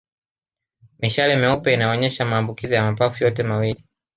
Mishale meupe inayoonyesha maambukizi ya mapafu yote mawili